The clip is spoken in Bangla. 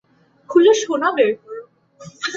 খুলে সোনা বের করো।